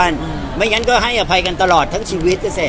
ถ้าไม่อย่างงั้นก็ให้อภัยกันตลอดทั้งชีวิต